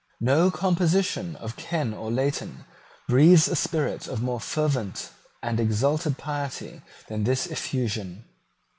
No composition of Ken or Leighton breathes a spirit of more fervent and exalted piety than this effusion.